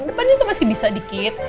depannya itu masih bisa dikit